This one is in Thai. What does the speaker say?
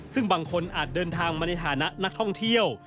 ซึ่งบางคนอาจเดินทางมาในฐานะนักท่องเที่ยว